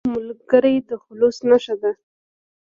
ملګری د خلوص نښه ده